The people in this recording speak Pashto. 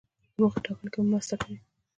د موخې ټاکلو کې مو مرسته کوي.